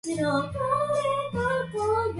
残酷な天使のテーゼ